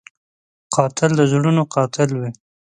قاتل د زړونو قاتل وي